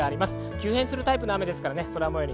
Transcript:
急変するタイプの雨です。